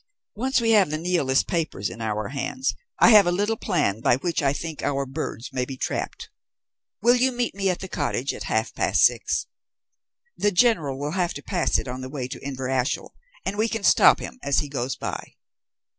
Once we have the Nihilist papers in our hands I have a little plan by which I think our birds may be trapped. Will you meet me at the cottage at half past six? The General will have to pass it on the way to Inverashiel, and we can stop him as he goes by."